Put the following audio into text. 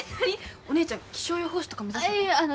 お姉ちゃん気象予報士とか目指すの？